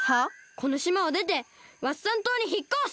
このしまをでてワッサン島にひっこす！